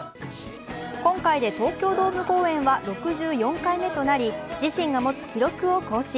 今回で東京ドーム公演は６４回目となり自身が持つ記録を更新。